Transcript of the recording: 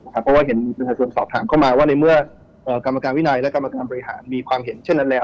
เพราะว่าเห็นประชาชนสอบถามเข้ามาว่าในเมื่อกรรมการวินัยและกรรมการบริหารมีความเห็นเช่นนั้นแล้ว